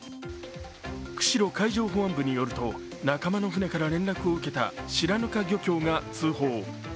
釧路海上保安部によると、仲間の船から連絡を受けた白糠漁協が通報。